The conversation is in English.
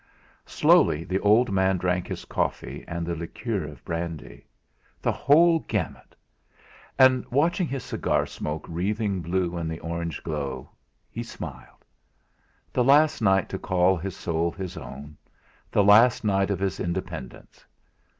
Slowly the old man drank his coffee, and the liqueur of brandy. The whole gamut! And watching his cigar smoke wreathing blue in the orange glow, he smiled. The last night to call his soul his own, the last night of his independence.